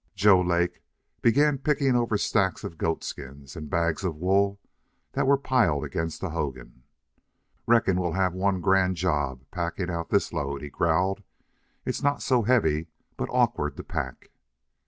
Joe Lake began picking over stacks of goat skins and bags of wool that were piled against the hogan. "Reckon we'll have one grand job packing out this load," he growled. "It's not so heavy, but awkward to pack."